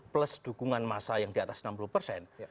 plus dukungan massa yang di atas enam puluh persen